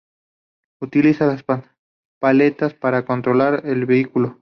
Utiliza las paletas para controlar el vehículo.